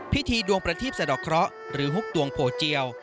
พิธีดวงประทีบสะดอกเคราะห์หรือฮุกดวงโพเจียว